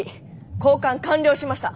交換完了しました。